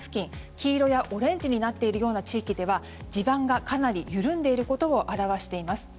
黄色やオレンジになっているような地域では地盤がかなり緩んでいることを表しています。